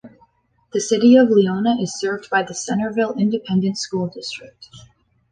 The City of Leona is served by the Centerville Independent School District.